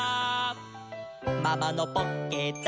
「ママのポッケだ」